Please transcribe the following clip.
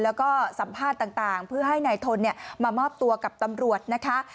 แล้วก็สัมภาษณ์ต่างเพื่อให้นายทนมามอบตัวกับตำรวจนะคะ